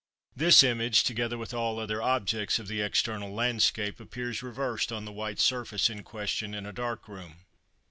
This image, together with all other objects of the external landscape, appears reversed on the white surface in question in a dark room.